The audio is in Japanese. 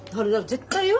絶対よ。